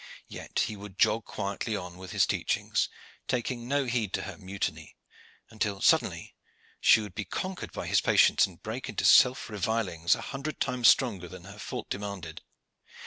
Yet he would jog quietly on with his teachings, taking no heed to her mutiny, until suddenly she would be conquered by his patience, and break into self revilings a hundred times stronger than her fault demanded.